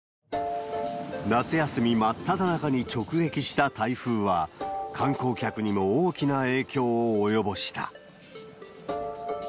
夏休み真っただ中に直撃した台風は、観光客にも大きな影響を及ぼした。